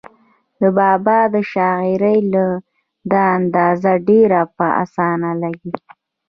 د بابا د شاعرۍ نه دا اندازه ډېره پۀ اسانه لګي